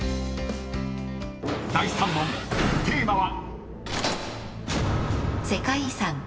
［第３問テーマは］